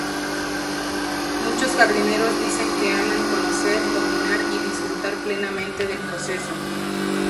Muchos jardineros dicen que aman conocer, dominar y disfrutar plenamente del proceso.